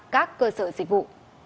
các cơ sở dịch vụ